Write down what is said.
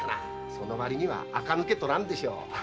その割にあか抜けとらんでしょう。